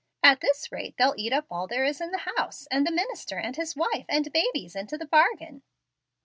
At this rate they'll eat up all there is in the house, and the minister and his wife and babies into the bargain."